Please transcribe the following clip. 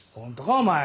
お前。